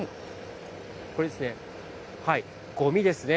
これですね、ごみですね。